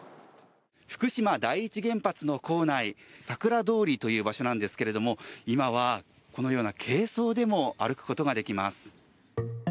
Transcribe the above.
福島第一原発の構内さくら通りという場所なんですけれども今はこのような軽装でも歩くことができます。